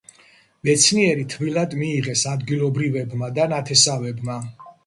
მეცნიერი თბილად მიიღეს ადგილობრივებმა და ნათესავებმა.